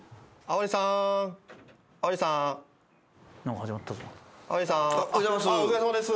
お疲れさまです